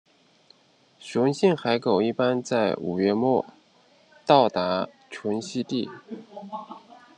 雄性海狗一般在五月末到达群栖地。